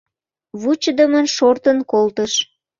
Вучыдымын шортын колтыш.